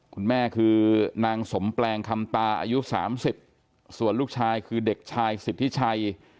คุณแม่คือนางสมแปลงคำตาอายุ๓๐ส่วนลูกชายคือเด็กชายสิทธิชัย